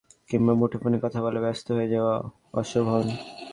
সেখানে গিয়ে টেলিভিশন দেখা কিংবা মুঠোফোনে কথা বলায় ব্যস্ত হয়ে যাওয়া অশোভন।